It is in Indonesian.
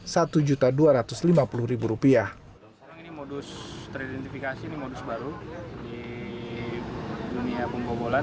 sekarang ini modus teridentifikasi ini modus baru di dunia pembobolan